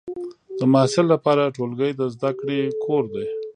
د محصل لپاره ټولګی د زده کړې کور دی.